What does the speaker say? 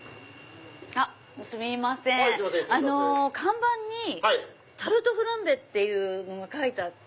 看板にタルトフランベっていうのが書いてあって。